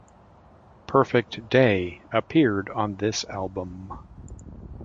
"Perfect Day" appeared on this album.